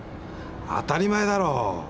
当たり前だろ！